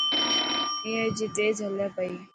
اي هجي تيز هلي پئي.